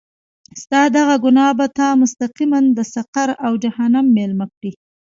ستا دغه ګناه به تا مستقیماً د سقر او جهنم میلمه کړي.